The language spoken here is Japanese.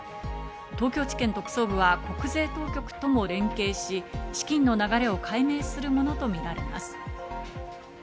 東京地検特捜部は国税当局とも連携し、資金の流れを解明するものとみられます。